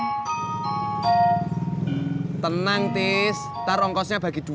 hai tenang tis taruh kosnya bagi dua